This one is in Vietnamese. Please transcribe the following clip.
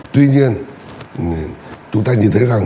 tuy nhiên chúng ta nhìn thấy rằng